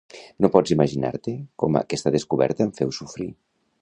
No pots imaginar-te com aquesta descoberta em feu sofrir.